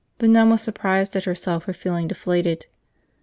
The nun was surprised at herself for feeling deflated.